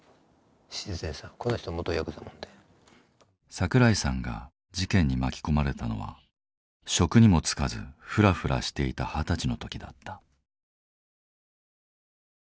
桜井さんが事件に巻き込まれたのは職にも就かずフラフラしていた二十歳の時だった。